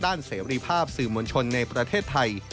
เสรีภาพสื่อมวลชนในประเทศไทย